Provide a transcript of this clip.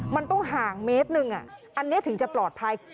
มันต้องห่างเมตรหนึ่งอันนี้ถึงจะปลอดภัย